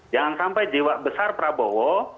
jangan sampai jiwa besar prabowo